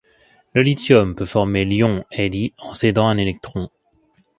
Le lithium peut former l'ion Li en cédant un électron.